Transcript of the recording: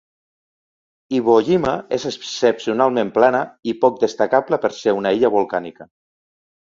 Iwo Jima és excepcionalment plana i poc destacable per ser una illa volcànica.